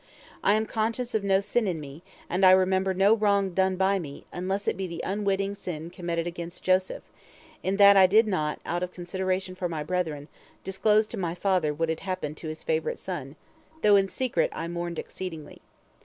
I am conscious of no sin in me, and I remember no wrong done by me, unless it be the unwitting sin committed against Joseph, in that I did not, out of consideration for my brethren, disclose to my father what had happened to his favorite son, though in secret I mourned exceedingly.